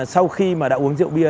sau khi mà đã uống rượu bia